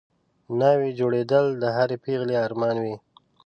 ناوې جوړېدل د هرې پېغلې ارمان وي